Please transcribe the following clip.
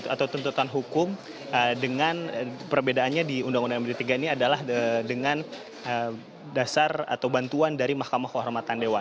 atau tuntutan hukum dengan perbedaannya di undang undang md tiga ini adalah dengan dasar atau bantuan dari mahkamah kehormatan dewan